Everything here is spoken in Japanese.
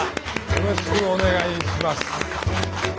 よろしくお願いします。